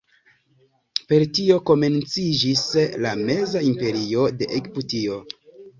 Per tio komenciĝis la Meza Imperio de Egiptio.